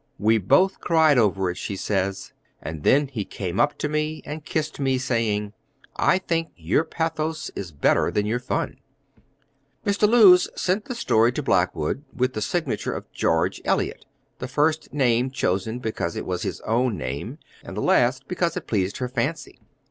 "We both cried over it," she says, "and then he came up to me and kissed me, saying, 'I think your pathos is better than your fun!'" Mr. Lewes sent the story to Blackwood, with the signature of "George Eliot," the first name chosen because it was his own name, and the last because it pleased her fancy.